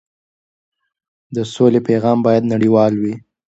د سولې پیغام باید نړیوال وي.